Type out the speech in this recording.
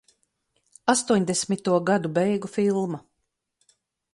Astoņdesmito gadu beigu filma.